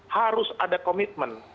harus ada komitmen